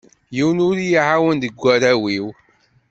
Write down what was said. Yiwen ur i yi-ɛawen deg waraw-iw.